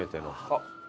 あっ。